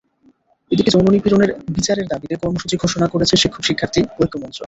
এদিকে যৌন নিপীড়নের বিচারের দাবিতে কর্মসূচি ঘোষণা করেছে শিক্ষক-শিক্ষার্থী ঐক্য মঞ্চ।